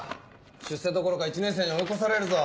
出世どころか１年生に追い越されるぞ。